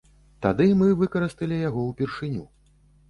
Тады мы выкарысталі яго ўпершыню.